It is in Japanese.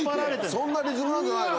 そんなリズムなんじゃないの？